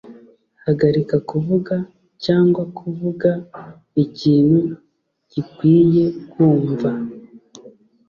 Hagarika kuvuga cyangwa kuvuga ikintu gikwiye kumva.